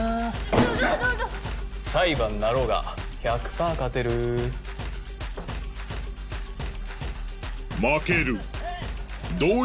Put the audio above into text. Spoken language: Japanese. ちょちょ裁判になろうが１００パー勝てる負ける同意